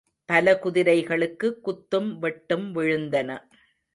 பல குதிரைகளுக்கு குத்தும் வெட்டும் விழுந்தன.